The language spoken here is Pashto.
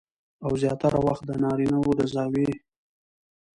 او زياتره وخت د نارينه د زاويې